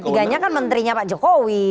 tiga nya kan menterinya pak jokowi